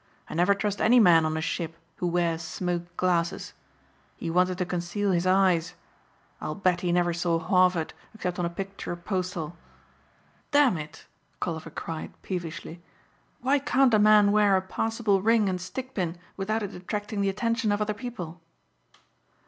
"I never trust any man on a ship who wears smoked glasses. He wanted to conceal his eyes. I'll bet he never saw Harvard except on a picture postal. Damn it!" Colliver cried peevishly, "Why can't a man wear a passable ring and stickpin without it attracting the attention of other people?"